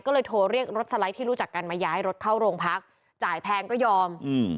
ก็เลยโทรเรียกรถสไลด์ที่รู้จักกันมาย้ายรถเข้าโรงพักจ่ายแพงก็ยอมอืม